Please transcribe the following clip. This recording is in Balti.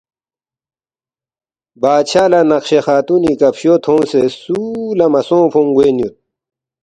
”بادشاہ لہ نقشِ خاتونی کفشو تھونگسے سُو لہ مہ سونگفونگ گوین یود